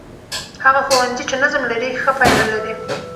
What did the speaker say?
هغه ښوونځی چې نظم لري، ښه پایله لري.